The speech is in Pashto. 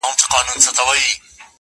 په زارۍ به یې خیرات غوښت له څښتنه!.